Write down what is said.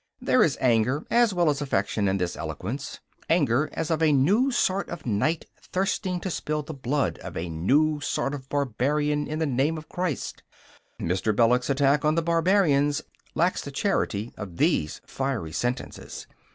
There is anger, as well as affection, in this eloquence anger as of a new sort of knight thirsting to spill the blood of a new sort of barbarian in the name of Christ. Mr. Belloc's attack on the barbarians lacks the charity of these fiery sentences.